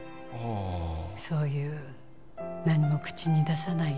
あそういう何も口に出さない